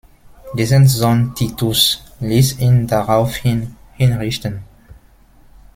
Dessen Sohn Titus ließ ihn daraufhin hinrichten.